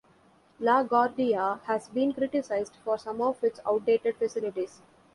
LaGuardia has been criticized for some of its outdated facilities.